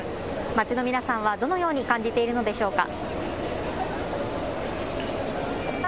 街の皆さんはどのように感じているのでしょうか。